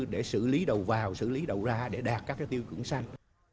để xử lý đầu vào xử lý đầu ra để đạt các tiêu chuẩn xanh